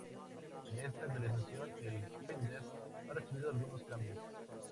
En esta actualización, el Finder ha recibido algunos cambios.